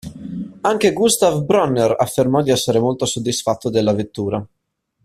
Anche Gustav Brunner affermò di essere molto soddisfatto della vettura.